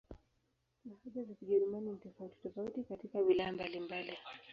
Lahaja za Kijerumani ni tofauti-tofauti katika wilaya mbalimbali.